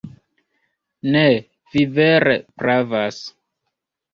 Ne, vi vere pravas.